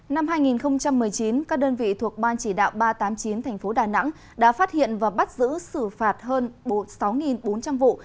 năm hai nghìn một mươi chín các đơn vị thuộc ban chỉ đạo ba trăm tám mươi chín tp đà nẵng đã phát hiện và bắt giữ xử phạt hơn sáu bốn trăm linh vụ